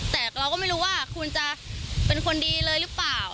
แต่เราก็ไม่รู้ว่าคุณจะเป็นคนดีเลยหรือเปล่า